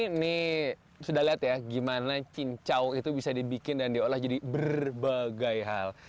ini sudah lihat ya gimana cincau itu bisa dibikin dan diolah jadi berbagai hal